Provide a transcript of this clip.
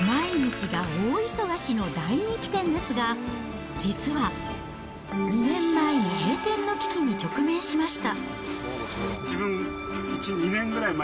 毎日が大忙しの大人気店ですが、実は、２年前に閉店の危機に直面しました。